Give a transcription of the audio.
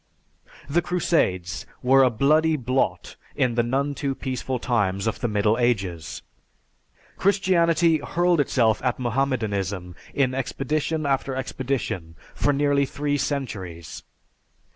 The Crusades were a bloody blot in the none too peaceful times of the Middle Ages. Christianity hurled itself at Mohammedanism in expedition after expedition for nearly three centuries.